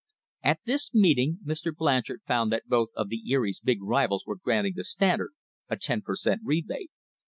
At this meeting Mr. Blan chard found that both of the Erie's big rivals were grant ing the Standard a ten per cent, rebate.